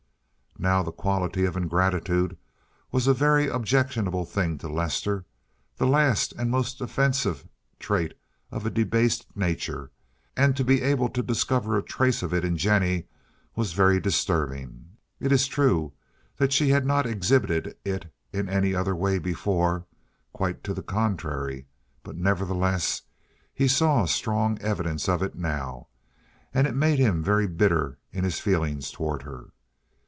Now the quality of ingratitude was a very objectionable thing to Lester—the last and most offensive trait of a debased nature, and to be able to discover a trace of it in Jennie was very disturbing. It is true that she had not exhibited it in any other way before—quite to the contrary—but nevertheless he saw strong evidences of it now, and it made him very bitter in his feeling toward her.